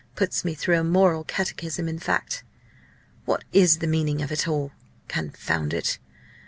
puts me through a moral catechism, in fact! What is the meaning of it all confound it!